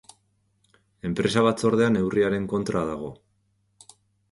Enpresa batzordea neurriaren kontra dago.